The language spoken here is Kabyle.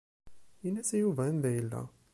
In-as i Yuba anda yella.